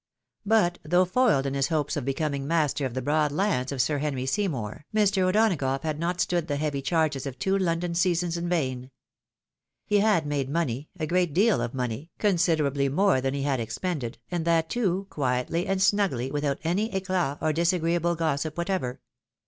But, though foiled in his hopes of becoming master of the broad lands of Sir Henry Seymour, Mr. O'Donagough had not stood the heavy charges of two London seasons in vain. He had made money, a great deal of money, considerably more than he had expended, and that, too, quietly and snugly, without any eclat or disagreeable gossip whatever.